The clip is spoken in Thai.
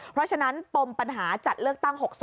เพราะฉะนั้นปมปัญหาจัดเลือกตั้ง๖๒